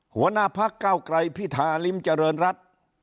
หัวหน้าพักเก้าไกรพิธาริมเจริญรัฐ